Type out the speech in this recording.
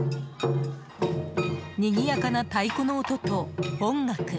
にぎやかな太鼓の音と音楽。